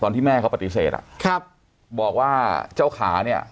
ที่แม่เขาปฏิเสธอ่ะครับบอกว่าเจ้าขาเนี่ย